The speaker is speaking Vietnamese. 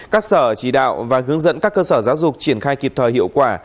các sở chỉ đạo và hướng dẫn các cơ sở giáo dục triển khai kịp thời hiệu quả